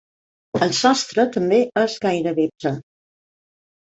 El sostre també és gairebé ple.